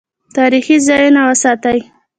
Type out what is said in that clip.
تاریخي ځایونه وساتئ